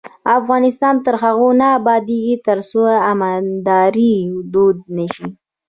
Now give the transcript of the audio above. افغانستان تر هغو نه ابادیږي، ترڅو امانتداري دود نشي.